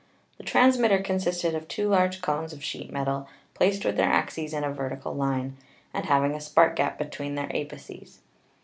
The transmitter consisted of two large cones of sheet metal placed with their axes in a vertical line, and having a spark gap between their apices.